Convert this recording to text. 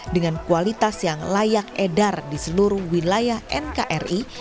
dengan kualitas yang layak edar di seluruh wilayah nkri